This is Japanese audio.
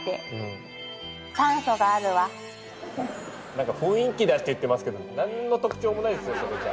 なんか雰囲気出して言ってますけど何の特徴もないですよそれじゃ。